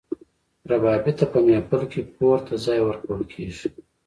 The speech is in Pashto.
ربابي ته په محفل کې پورته ځای ورکول کیږي.